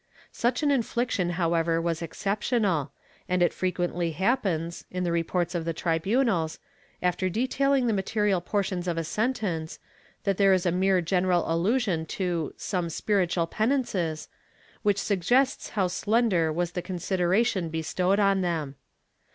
^ Such an infliction however was exceptional, and it frequently happens, in the reports of the tribunals, after detailing the material portions of a sentence, that there is a mere general allusion to "some spiritual penances," which suggests how slender was the consideration bestowed on them.